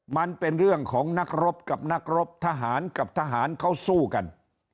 มันเป็นเรื่องของนักรบกับนักรบทหารกับทหารเขาสู้กัน